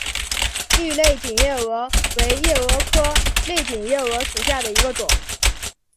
绿类锦夜蛾为夜蛾科类锦夜蛾属下的一个种。